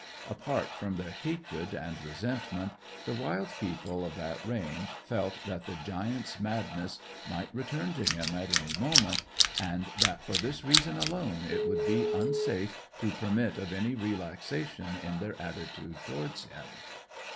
Apart from their hatred and resentment, the wild people of that range felt that the giant's madness might return to him at any moment, and that for this reason alone it would be unsafe to permit of any relaxation in their attitude towards him.